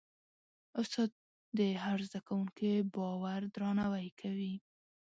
استاد د هر زده کوونکي باور درناوی کوي.